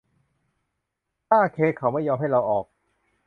ค่าเค้กเขาไม่ยอมให้เราออก